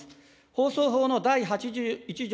放送法の第８１条